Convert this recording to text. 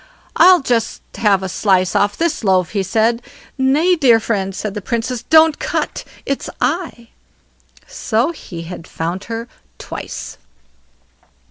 I'll just have a slice off this loaf", he said, Nay, dear friend", said the Princess, "don't cut. It's I" So he had found her twice.